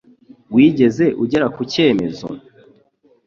Wigeze ugera ku cyemezo?